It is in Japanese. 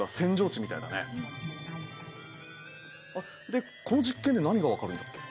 でこの実験で何が分かるんだっけ？